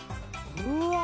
うわ！